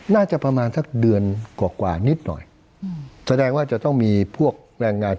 น่าจะประมาณสักเดือนกว่ากว่านิดหน่อยแสดงว่าจะต้องมีพวกแรงงาน